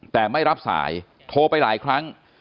แต่ไม่รับสายโทรไปหลายครั้ง